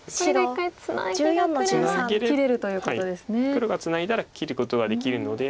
黒がツナいだら切ることはできるので。